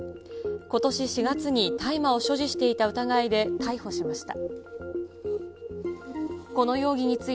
ことし４月に大麻を所持していた疑いで逮捕しました。